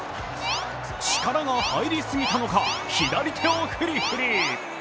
力が入りすぎたのか、左手をフリフリ。